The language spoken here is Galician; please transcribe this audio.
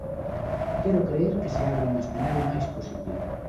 Quero crer que se abre un escenario máis positivo.